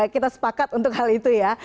kita sepakat untuk hal itu ya